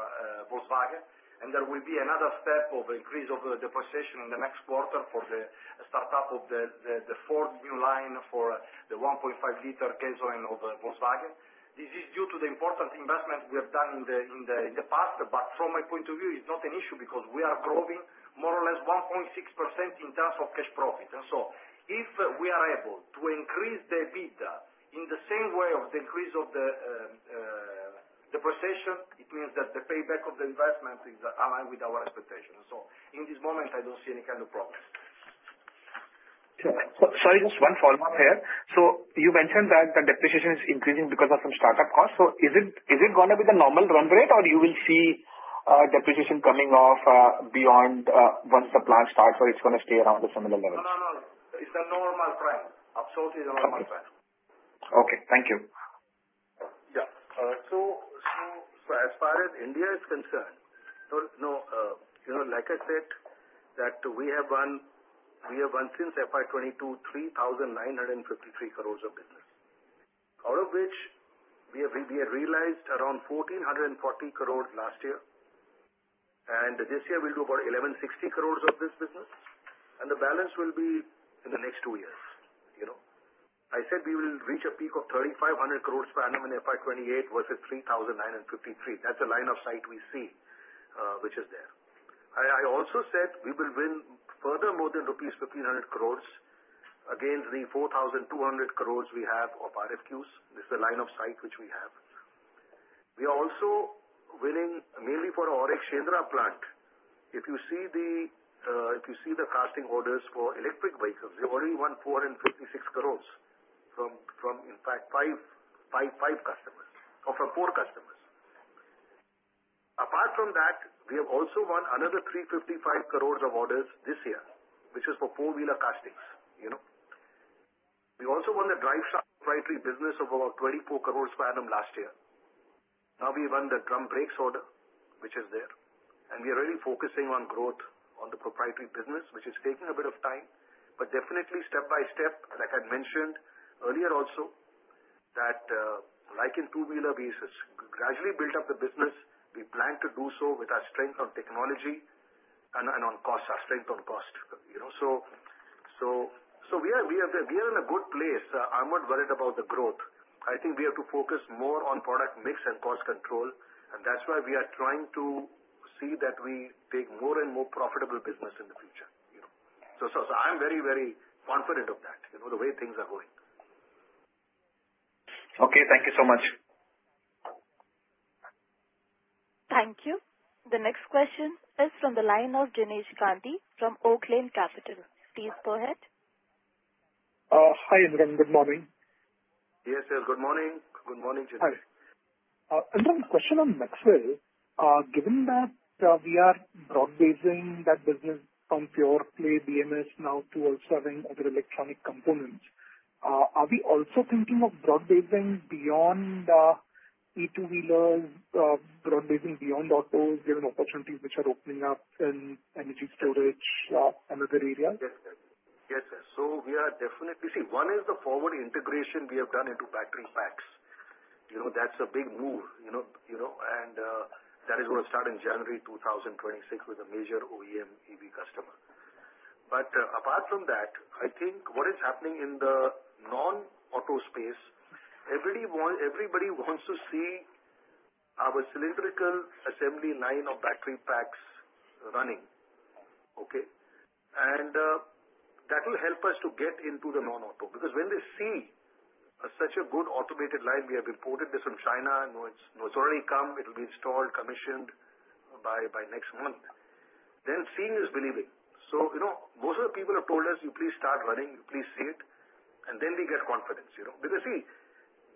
Volkswagen. And there will be another step of increase of depreciation in the next quarter for the startup of the fourth new line for the 1.5L gasoline of Volkswagen. This is due to the important investment we have done in the past, but from my point of view, it's not an issue because we are growing more or less 1.6% in terms of cash profit. And so if we are able to increase the EBITDA in the same way of the increase of the depreciation, it means that the payback of the investment is aligned with our expectations. So in this moment, I don't see any kind of problems. Sorry, just one follow-up here. So you mentioned that the depreciation is increasing because of some startup costs. So is it going to be the normal run rate, or you will see depreciation coming off beyond once the plant starts, or it's going to stay around a similar level? No, no, no. It's a normal trend. Absolutely, it's a normal trend. Okay. Thank you. Yeah. So as far as India is concerned, no, like I said, that we have won since FY 2022, 3,953 crores of business, out of which we have realized around 1,440 crores last year. And this year, we'll do about 1,160 crores of this business. And the balance will be in the next two years. I said we will reach a peak of 3,500 crores per annum in FY 2028 versus 3,953. That's the line of sight we see which is there. I also said we will win further more than rupees 1,500 crores against the 4,200 crores we have of RFQs. This is the line of sight which we have. We are also winning mainly for our AURIC Shendra plant. If you see the casting orders for electric vehicles, we already won 456 crores from, in fact, five customers or from four customers. Apart from that, we have also won another 355 crores of orders this year, which is for four-wheeler castings. We also won the drive shaft proprietary business of about 24 crores per annum last year. Now we won the drum brakes order, which is there. And we are really focusing on growth on the proprietary business, which is taking a bit of time, but definitely step by step, like I mentioned earlier also, that like in two-wheeler, we gradually built up the business. We plan to do so with our strength on technology and on cost, our strength on cost. So we are in a good place. I'm not worried about the growth. I think we have to focus more on product mix and cost control. And that's why we are trying to see that we take more and more profitable business in the future. I'm very, very confident of that, the way things are going. Okay. Thank you so much. Thank you. The next question is from the line of Jinesh Gandhi from Oaklane Capital. Please go ahead. Hi, Anurang. Good morning. Yes, sir. Good morning. Good morning, Jinesh. Anurang, a question on Maxwell. Given that we are broadbasing that business from pure play BMS now to also having other electronic components, are we also thinking of broadbasing beyond e-two-wheelers, broadbasing beyond autos given opportunities which are opening up in energy storage and other areas? Yes, sir. Yes, sir. So we are definitely seeing, one is the forward integration we have done into battery packs. That's a big move. And that is going to start in January 2026 with a major OEM EV customer. But apart from that, I think what is happening in the non-auto space, everybody wants to see our cylindrical assembly line of battery packs running, okay? And that will help us to get into the non-auto. Because when they see such a good automated line, we have imported this from China, it's already come, it will be installed, commissioned by next month, then seeing is believing. So most of the people have told us, "You please start running, you please see it," and then we get confidence. Because see,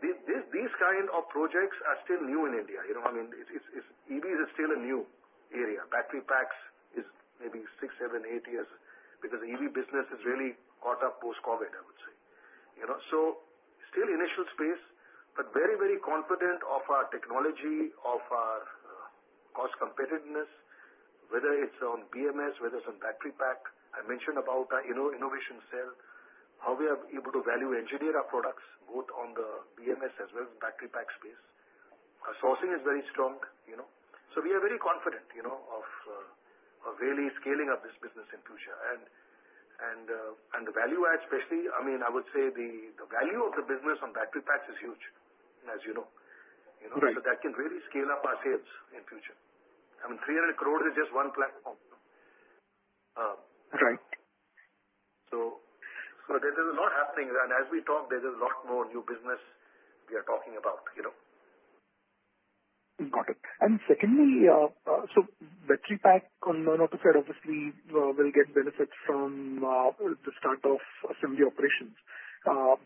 these kind of projects are still new in India. I mean, EVs are still a new area. Battery packs is maybe six, seven, eight years because the EV business has really caught up post-COVID, I would say. So still initial space, but very, very confident of our technology, of our cost competitiveness, whether it's on BMS, whether it's on battery pack. I mentioned about innovation scale, how we are able to value engineer our products both on the BMS as well as battery pack space. Our sourcing is very strong. So we are very confident of really scaling up this business in future. And the value add, especially, I mean, I would say the value of the business on battery packs is huge, as you know. So that can really scale up our sales in future. I mean, 300 crores is just one platform. Right. There's a lot happening. As we talk, there's a lot more new business we are talking about. Got it, and secondly, so battery pack on non-auto side, obviously, will get benefits from the start of assembly operations.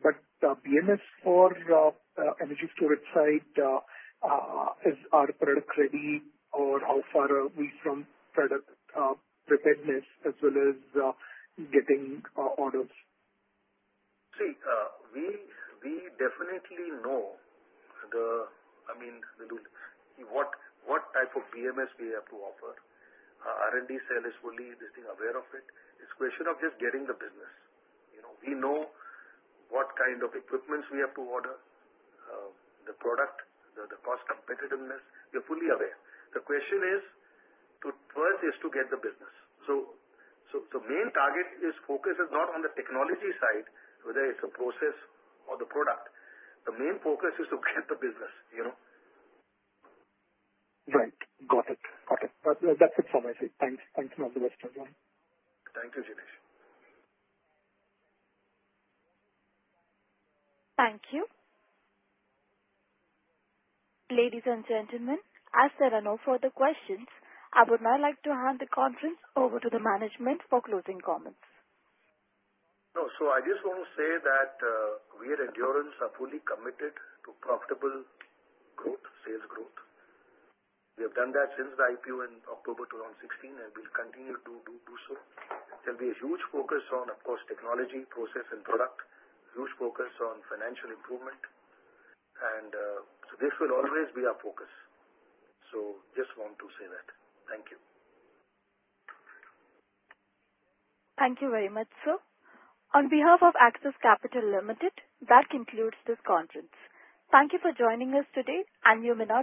But BMS for energy storage side, is our product ready, or how far are we from product preparedness as well as getting orders? See, we definitely know, I mean, what type of BMS we have to offer. R&D team is fully aware of it. It's a question of just getting the business. We know what kind of equipment we have to order, the product, the cost competitiveness. We are fully aware. The question is, first is to get the business. So the main target is, focus is not on the technology side, whether it's a process or the product. The main focus is to get the business. Right. Got it. Got it. That's it from my side. Thanks. Thank you, Jinesh. Thank you. Ladies and gentlemen, as there are no further questions, I would now like to hand the conference over to the management for closing comments. No. So I just want to say that we at Endurance are fully committed to profitable growth, sales growth. We have done that since the IPO in October 2016, and we'll continue to do so. There'll be a huge focus on, of course, technology, process, and product. Huge focus on financial improvement, and so this will always be our focus. So just want to say that. Thank you. Thank you very much, sir. On behalf of Axis Capital Limited, that concludes this conference. Thank you for joining us today, and you may now.